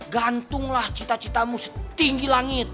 gantunglah cita citamu setinggi langit